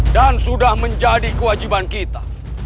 dan sudah menjadi kewajiban kita